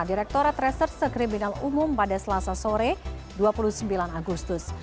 direktorat reserse kriminal umum pada selasa sore dua puluh sembilan agustus